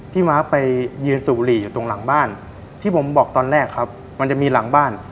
ม้าไปยืนสูบบุหรี่อยู่ตรงหลังบ้านที่ผมบอกตอนแรกครับมันจะมีหลังบ้าน